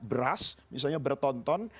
beras misalnya bertonton